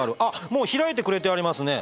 もう開いてくれてありますね。